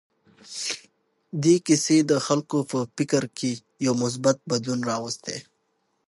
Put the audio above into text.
دې کیسې د خلکو په فکر کې یو مثبت بدلون راوستی.